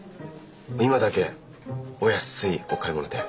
今だけお安いお買い物で。